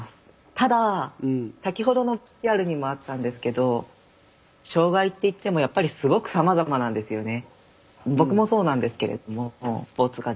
ただ先ほどのＶＴＲにもあったんですけど障害って言ってもやっぱりすごくさまざまなんですよね。